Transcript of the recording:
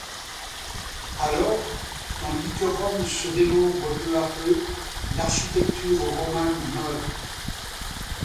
Alors, tandis que Rome se démembre peu à peu, l'architecture romane meurt.